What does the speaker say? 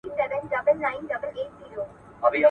موبایل لیرې کړئ.